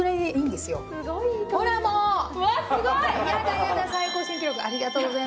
すごい！